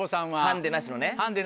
ハンデなしのね。